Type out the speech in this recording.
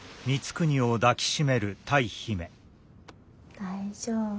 大丈夫。